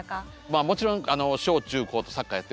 もちろん小中高とサッカーやってましたし